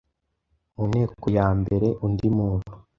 Mu nteko ya mbere: Undi muntu